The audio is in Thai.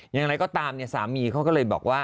อย่างไรก็ตามสามีเขาก็เลยบอกว่า